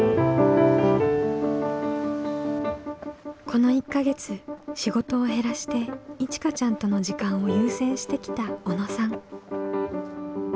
この１か月仕事を減らしていちかちゃんとの時間を優先してきた小野さん。